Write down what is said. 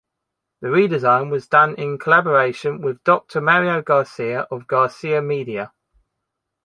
The redesign was done in collaboration with Doctor Mario Garcia of Garcia Media.